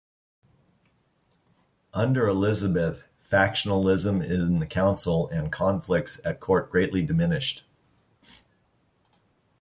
Under Elizabeth, factionalism in the Council and conflicts at court greatly diminished.